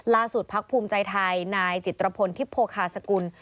ล่าสุดพรรคภูมิใจไทยนายจิตรพลทิพโภคาสกุล